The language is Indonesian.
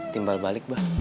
timbal balik bro